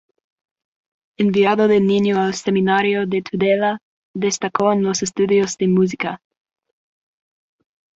Enviado de niño al seminario de Tudela, destacó en los estudios de música.